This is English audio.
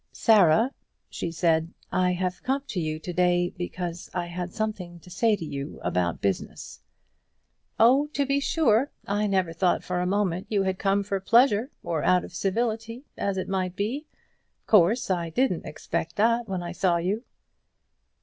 "Sarah," she said, "I have come to you to day because I had something to say to you about business." "Oh, to be sure! I never thought for a moment you had come for pleasure, or out of civility, as it might be. Of course I didn't expect that when I saw you."